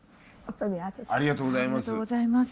ありがとうございます。